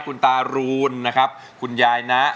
คุณตารูนนะครับคุณยายนะ